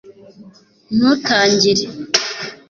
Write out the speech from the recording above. ntutangire